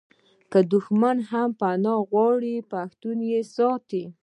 که دښمن هم پنا وغواړي پښتون یې ساتي.